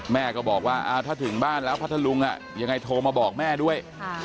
แม่ก็บอกว่าถ้าถึงบ้านแล้วพัทธลุงยังไงโทรมาบอกแม่ด้วย